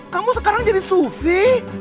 kamu sekarang jadi sufi